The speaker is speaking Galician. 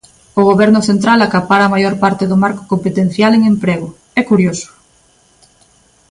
O Goberno central acapara a maior parte do marco competencial en emprego, ¡é curioso!